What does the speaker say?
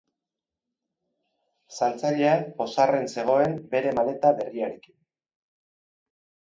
Saltzailea pozarren zegoen bere maleta berriarekin.